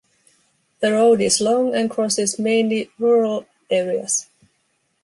The road is long and crosses mainly rural areas.